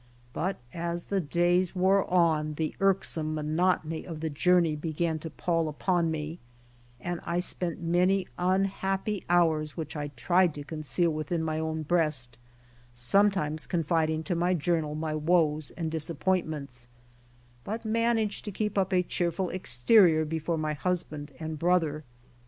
But as the days wore on the irksome monotony of the journey began to pall upon me, and 8 BY ox TEAM TO CALIFORNIA I spent manv unhappy hours which I tried to conceal within my own breast, sometimes confiding to my journal my woes and disappointments, but managed to keep up a cheerful exterior before my husband and brother.